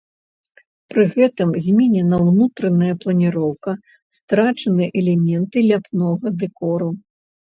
Пры гэтым зменена ўнутраная планіроўка, страчаны элементы ляпнога дэкору.